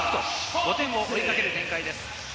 ５点を追いかける展開です。